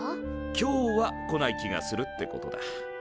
「今日は」来ない気がするってことだ。